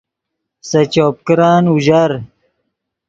سے چوپ کرن اوژر